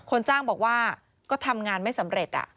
คนจ้างบอกว่าก็ทำงานไม่สำเร็จ